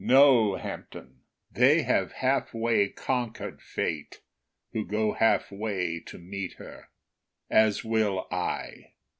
No, Hampden! they have half way conquered Fate Who go half way to meet her, as will I.